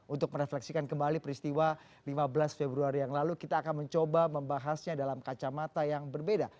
untuk merefleksikan kembali peristiwa lima belas februari yang lalu kita akan mencoba membahasnya dalam kacamata yang berbeda